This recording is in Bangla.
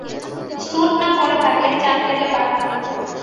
স্যুট না পড়া থাকলে চা খেতে পারতাম।